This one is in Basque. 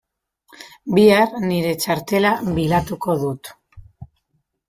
Bihar nire txartela bilatuko dut.